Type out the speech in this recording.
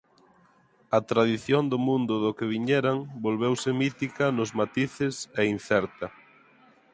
A tradición do mundo do que viñeran volveuse mítica nos matices e incerta.